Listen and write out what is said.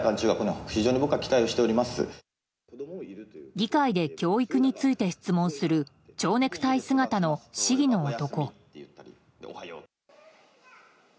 議会で教育について質問する蝶ネクタイ姿の市議の男。